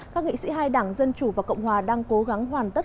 các nghị sĩ hai đảng dân chủ và cộng hòa đang cố gắng hoàn tất